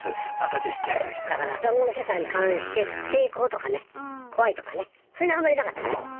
だから談合の世界に関して抵抗とかね怖いとかねそういうのあんまりなかったんだね。